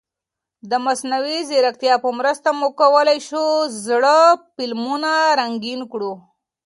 د مصنوعي ځیرکتیا په مرسته موږ کولای شو زاړه فلمونه رنګین کړو.